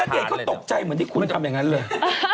อ๋อนาเดตเขาตกใจเหมือนที่คุณทำอย่างนั้นเลย